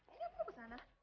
ini apa lu kesana